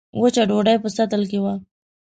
وچه ډوډۍ په سطل کې وه.